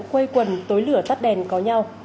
quây quần tối lửa tắt đèn có nhau